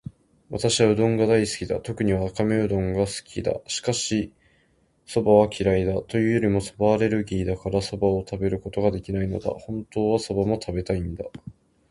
私はうどんが大好きだ。特にわかめうどんが好きだ。しかし、蕎麦は嫌いだ。というよりも蕎麦アレルギーだから、蕎麦を食べることができないのだ。本当は蕎麦も食べたいんだ。